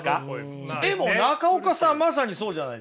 でも中岡さんまさにそうじゃないですか。